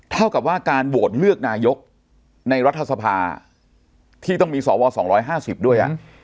เท่ากับว่าการโหวตเลือกนายกในรัฐสภาที่ต้องมีสว๒๕๐ด้วย